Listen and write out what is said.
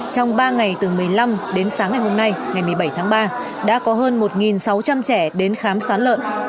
trong ba ngày từ một mươi năm đến sáng ngày hôm nay ngày một mươi bảy tháng ba đã có hơn một sáu trăm linh trẻ đến khám sán lợn